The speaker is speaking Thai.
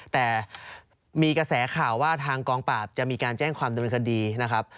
แต่มีกระแสข่าวว่าทางกองปราบจะมีการแจ้งความดำเนินคดีนะครับ